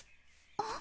あっ。